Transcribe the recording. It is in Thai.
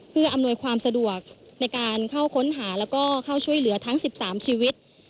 เพื่ออำนวยความสะดวกในการเข้าค้นหาแล้วก็เข้าช่วยเหลือทั้ง๑๓ชีวิต